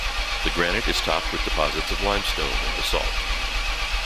The granite is topped with deposits of limestone and basalt.